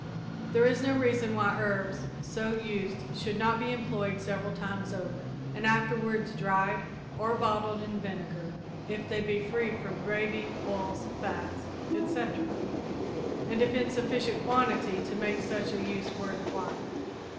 There is no reason why herbs so used should not be employed several times over, and afterwards dried or bottled in vinegar if they be free from gravy, oils, fats, etc., and if in sufficient quantity to make such a use worth while.